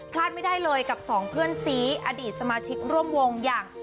พลาดไม่ได้เลยกับสองเพื่อนซีอดีตสมาชิกร่วมวงอย่าง